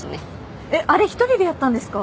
えっあれ１人でやったんですか？